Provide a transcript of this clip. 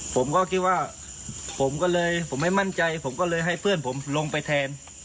ผมก็คิดว่าผมก็เลยผมไม่มั่นใจผมก็เลยให้เพื่อนผมลงไปแทน